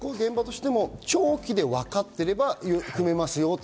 現場としても長期で分かっていればできますよ。